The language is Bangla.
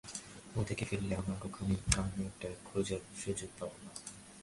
ও দেখে ফেললে, আমরা কখনোই কয়েনটা খোঁজার সুযোগ পাব না।